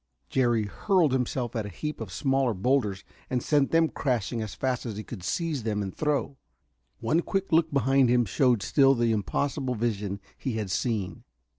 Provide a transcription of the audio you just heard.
Jerry hurled himself at a heap of smaller boulders and sent them crashing as fast as he could seize them and throw. One quick look behind him showed still the impossible vision he had seen.